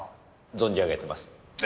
存じ上げてます。